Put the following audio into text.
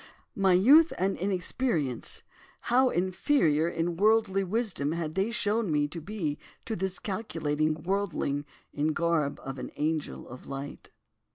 My youth and inexperience, how inferior in worldly wisdom had they shown me to be to this calculating worldling in the garb of an angel of light.